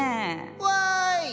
わい。